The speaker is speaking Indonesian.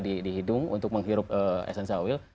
di hidung untuk menghirup essential will